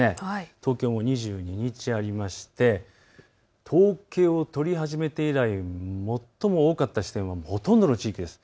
東京も２２日、ありまして統計を取り始めて以来、最も多かった地点、ほとんどの地域です。